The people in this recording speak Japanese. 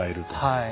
はい。